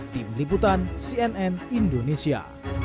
tim liputan cnn indonesia